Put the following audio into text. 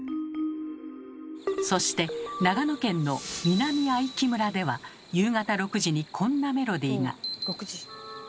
そして長野県の南相木村では夕方６時にこんなメロディーが。